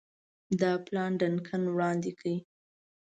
دا پلان ډنکن وړاندي کړ.